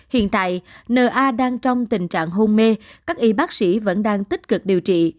hiện tại na đang trong tình trạng hôn mê các y bác sĩ vẫn đang tích cực điều trị